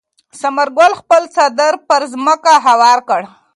ثمر ګل خپل څادر پر ځمکه هوار کړ.